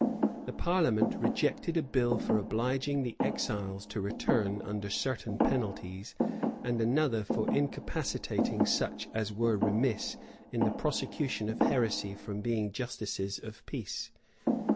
The parliament rejected a bill for obliging the exiles to return under certain penalties, and another for incapacitating such as were remiss in the prosecution of heresy from being justices of peace.